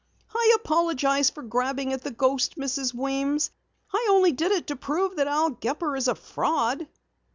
"I apologize for grabbing at the ghost, Mrs. Weems. I only did it to prove that Al Gepper is a fraud."